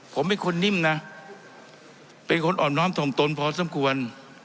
ผมเป็นคนนิ่มนะเป็นคนอ่อนน้อมถ่อมตนพอสมควร